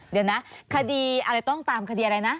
เดี๋ยวนะคดีอะไรต้องตามคดีอะไรนะ